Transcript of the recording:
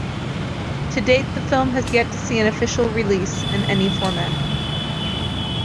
To date, the film has yet to see an official release in any format.